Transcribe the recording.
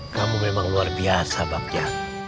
kamu memang luar biasa bakya